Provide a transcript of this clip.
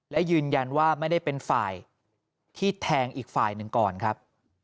และยืนยันว่าไม่ได้เป็นฝ่ายที่แทงอีกฝ่ายหนึ่งก่อนครับ